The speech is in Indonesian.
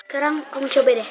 sekarang kamu coba deh